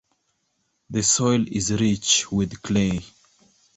The soil is rich with clay.